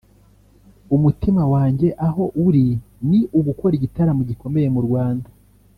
umutima wanjye aho uri ni ugukora igitaramo gikomeye mu Rwanda